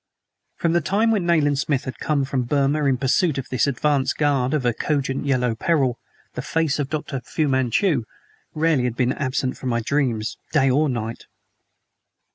From the time when Nayland Smith had come from Burma in pursuit of this advance guard of a cogent Yellow Peril, the face of Dr. Fu Manchu rarely had been absent from my dreams day or night.